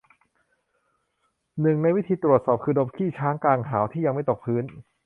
หนึ่งในวิธีตรวจสอบ คือดมขี้ช้างกลางหาว ที่ยังไม่ตกพื้น